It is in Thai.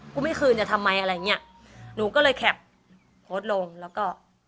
ไม่คืนจะทำไมอะไรอย่างเงี้ยหนูก็เลยแคปโพสต์ลงแล้วก็